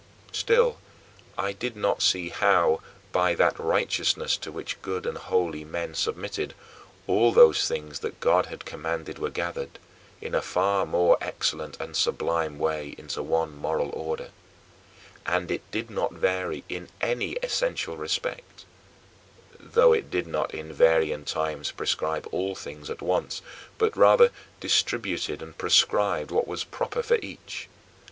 Still I did not see how, by that righteousness to which good and holy men submitted, all those things that God had commanded were gathered, in a far more excellent and sublime way, into one moral order; and it did not vary in any essential respect, though it did not in varying times prescribe all things at once but, rather, distributed and prescribed what was proper for each.